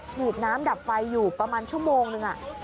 ฉีดน้ำดับไฟอยู่ประมาณชั่วโมงนึง